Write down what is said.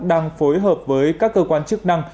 đang phối hợp với các cơ quan chức năng